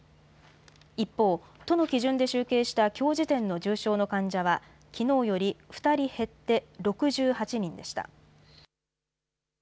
一方、都の基準で集計したきょう時点の重症の患者は、きのうより２人減って６８人でした。